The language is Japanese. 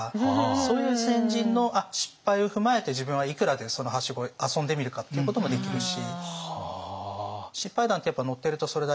そういう先人の失敗を踏まえて自分はいくらでそのはしご遊んでみるかっていうこともできるし。